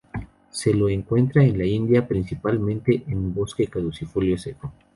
Se lo encuentra en la India, principalmente en bosque caducifolio seco.